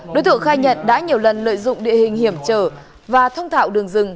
đối tượng khai nhận đã nhiều lần lợi dụng địa hình hiểm trở và thông thạo đường rừng